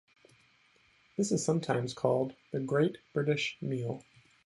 This is sometimes called the "Great British Meal".